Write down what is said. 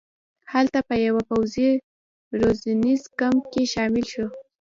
هلته په یوه پوځي روزنیز کمپ کې شامل شو.